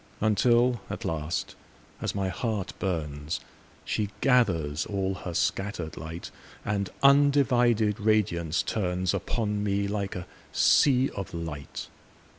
Until at last, as my heart burns, She gathers all her scatter'd light, And undivided radiance turnsUpon me like a sea of light.